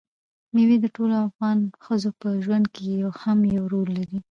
مېوې د ټولو افغان ښځو په ژوند کې هم یو رول لري.